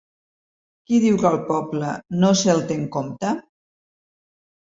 Qui diu que al poble no se’l té en compte?